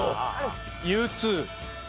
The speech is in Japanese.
Ｕ２。